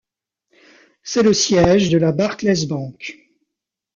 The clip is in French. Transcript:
C'est le siège de la Barclays Bank.